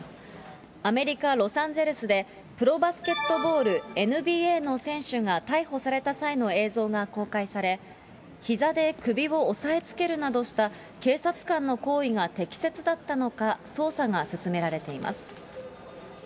アメリカ・ロサンゼルスで、プロバスケットボール・ＮＢＡの選手が逮捕された際の映像が公開され、ひざで首を押さえつけるなどした警察官の行為が適切だったのか、捜査が進められています。